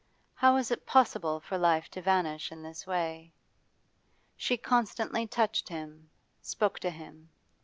How was it possible for life to vanish in this way? She constantly touched him, spoke to him.